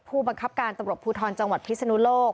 ผู้บังคับการตำรวจภูทรจังหวัดพิศนุโลก